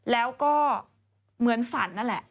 แล้วก็เหมือนฝันนั่นแหละ